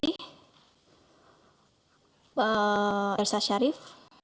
ibu elsa sharif